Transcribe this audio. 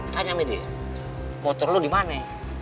tanya aja dia motor lo dimana